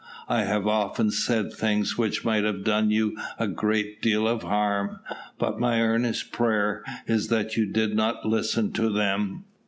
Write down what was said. I have often said things which might have done you a great deal of harm, but my earnest prayer is that you did not listen to them.